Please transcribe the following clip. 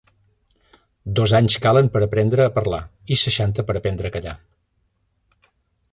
Dos anys calen per aprendre a parlar, i seixanta per aprendre a callar.